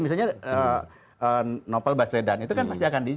misalnya novel basledan itu kan pasti akan diincin